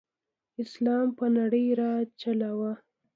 اسلام په نړۍ راج چلاؤ.